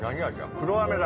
黒飴だ！